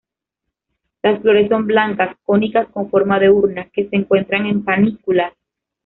Las flores son blancas, cónicas con forma de urna, que se encuentran en panículas.